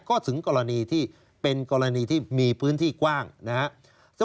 ก็ถึงกรณีที่เป็นกรณีที่มีพื้นที่กว้างนะครับ